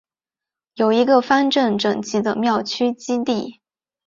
有一个方正整齐的庙区基地。